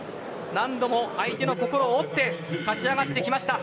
何度も相手の心を折って勝ち上がってきました。